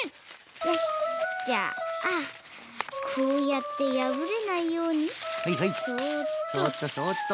じゃあこうやってやぶれないようにそっとそっと。